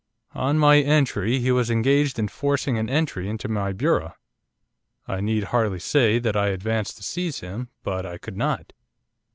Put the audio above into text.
'On my entry he was engaged in forcing an entry into my bureau. I need hardly say that I advanced to seize him. But I could not.